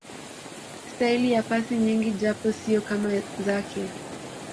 staili ya pasi nyingi japo siyo kama zake